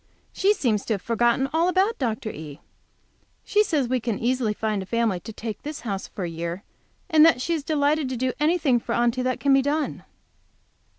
She seems to have forgotten all about Dr. E. She says we can easily find a family to take this house for a year, and that she is delighted to do anything for Aunty that can be done.